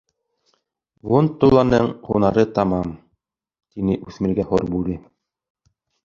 — Вон-толланың һунары тамам... — тине үҫмергә һорбүре.